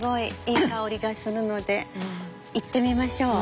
いい香りがするので行ってみましょう。